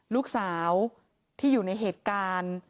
ลูกสาวที่อยู่ในเหตุการณ์